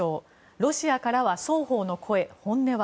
ロシアからは双方の声、本音は？